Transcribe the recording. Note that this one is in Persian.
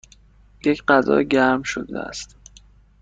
یک غذا گم شده است.